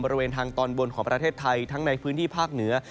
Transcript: บริเวณทางตอนบนของประเทศไทยทั้งในพื้นที่ภาคเหนือ